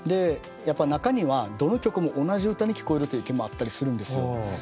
中にはどの曲も同じ唄に聞こえるという意見もあったりするんですよ。